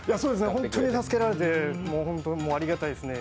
本当に助けられてありがたいですね。